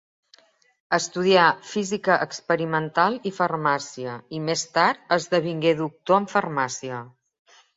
Estudià física experimental i farmàcia, i més tard esdevingué Doctor en Farmàcia.